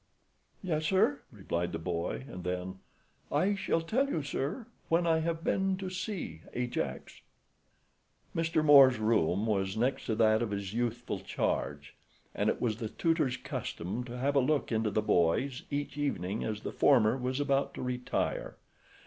"Yes, sir," replied the boy; and then: "I shall tell you, sir, when I have been to see Ajax." Mr. Moore's room was next to that of his youthful charge, and it was the tutor's custom to have a look into the boy's each evening as the former was about to retire.